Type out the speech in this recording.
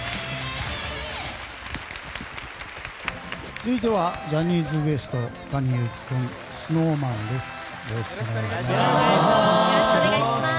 続いては、ジャニーズＷＥＳＴＴａｎｉＹｕｕｋｉ君ＳｎｏｗＭａｎです。